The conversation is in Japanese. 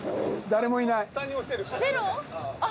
誰もいない。